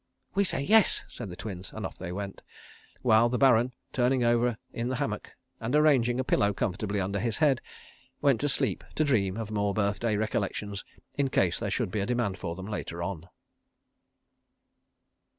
"We say yes," said the Twins, and off they went, while the Baron turning over in the hammock, and arranging a pillow comfortably under his head, went to sleep to dream of more birthday recollections in case there should be a demand for them later on.